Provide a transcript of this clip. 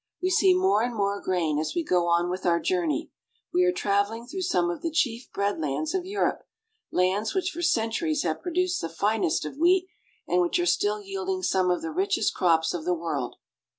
We see more and more grain as we go on with our journey. We are travel ing through some of the chief bread lands of Europe, lands which for centuries have produced the finest of wheat, and which are still yielding some of the richest crops of the world.